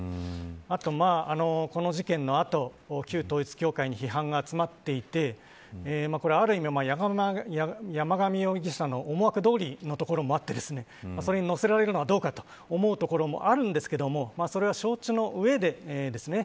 あと、この事件の後旧統一教会に批判が集まっていてこれは、ある意味山上容疑者の思惑どおりのところもあってそれに乗せられるのはどうかと思うところもあるんですけどもそれは承知の上でですね